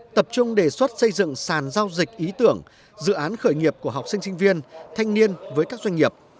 tập trung đề xuất xây dựng sàn giao dịch ý tưởng dự án khởi nghiệp của học sinh sinh viên thanh niên với các doanh nghiệp